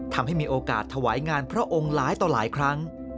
ทำให้มีโอกาสถวายงานพระองค์หลายต่อหลายครั้ง